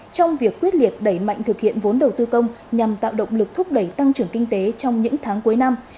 trong việc quyết liệt đẩy mạnh thực hiện vốn đầu tư công nhằm tạo động lực thúc đẩy tăng trưởng kinh tế trong những tháng cuối năm